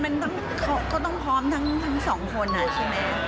มันก็ต้องพร้อมทั้งสองคนใช่ไหม